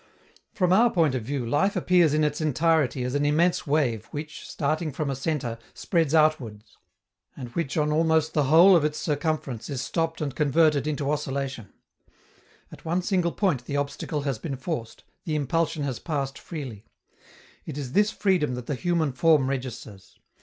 From our point of view, life appears in its entirety as an immense wave which, starting from a centre, spreads outwards, and which on almost the whole of its circumference is stopped and converted into oscillation: at one single point the obstacle has been forced, the impulsion has passed freely. It is this freedom that the human form registers.